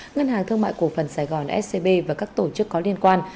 ngân hàng thương mại cổ phần sài gòn scb và các tổ chức có liên quan